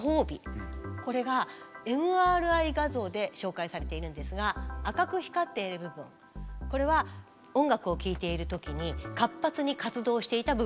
これがＭＲＩ画像で紹介されているんですが赤く光っている部分これは音楽を聴いている時に活発に活動していた部分です。